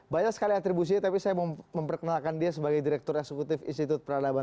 banyak sekali atribusinya tapi saya mau memperkenalkan dia sebagai direktur eksekutif institut peradaban